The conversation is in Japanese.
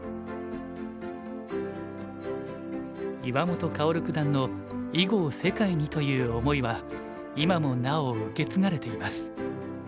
岩本薫九段の「囲碁を世界に」という思いは今もなお受け継がれています。